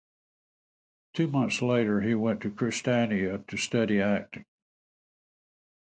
Two months later, he went to Christiania to study acting.